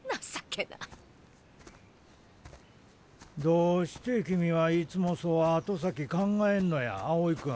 どうして君はいつもそう後先考えんのや青井君。